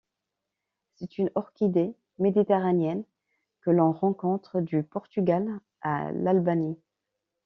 C'est une orchidée méditerranéenne que l'on rencontre du Portugal à l'Albanie.